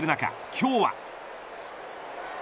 今日は。